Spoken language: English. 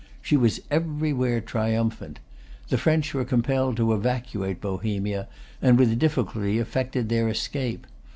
She was everywhere triumphant. The French were compelled to evacuate Bohemia, and with difficulty effected their escape.